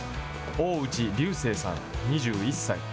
大内龍成さん２１歳。